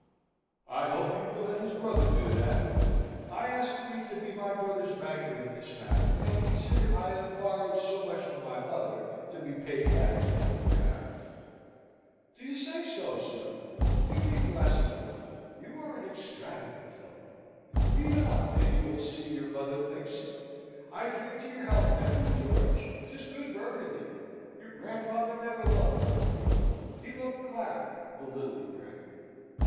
"I hope you will let his brother do that. I ask leave to be my brother's banker in this matter, and consider I have borrowed so much from my mother, to be paid back to my dear Harry." "Do you say so, sir? Give me a glass of wine! You are an extravagant fellow! Read on, and you will see your mother thinks so. I drink to your health, nephew George! 'Tis good Burgundy. Your grandfather never loved Burgundy. He loved claret, the little he drank."